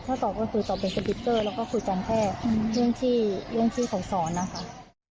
ถ้าตอบก็คือตอบเป็นสติ๊กเกอร์แล้วก็คุยกันแค่เรื่องที่เรื่องที่เขาสอนนะคะ